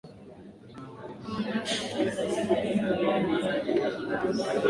mama mzazi wa mtanzania ahmed hailan ambae amehukumiwa kifungo cha maisha gerezani kwa kuhusika